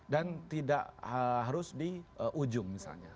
dan tidak harus di ujung misalnya